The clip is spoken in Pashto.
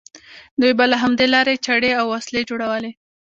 دوی به له همدې لارې چړې او وسلې جوړولې.